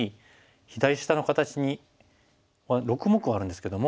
左下の形に６目あるんですけども。